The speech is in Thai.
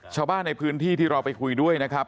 ชาวบ้านในพื้นที่ที่เราไปคุยด้วยนะครับ